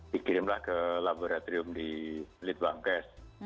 dikirimlah ke laboratorium di litbangkes